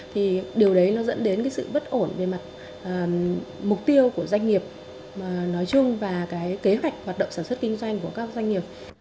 thì điều đấy nó dẫn đến cái sự bất ổn về mặt mục tiêu của doanh nghiệp nói chung và cái kế hoạch hoạt động sản xuất kinh doanh của các doanh nghiệp